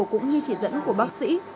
cũng như chỉ dẫn của bác sĩ